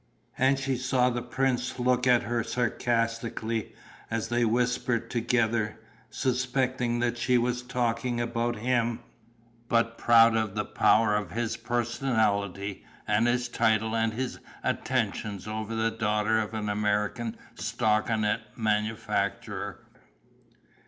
And she saw the prince look at her sarcastically, as they whispered together, suspecting that she was talking about him, but proud of the power of his personality and his title and his attentions over the daughter of an American stockinet manufacturer.